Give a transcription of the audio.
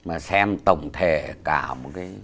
mà xem tổng thể cả một cái